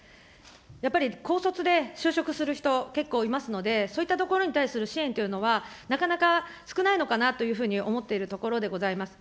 やっぱり高卒で就職する人、結構いますので、そういったところに対する支援というのは、なかなか少ないのかなというふうに思っているところでございます。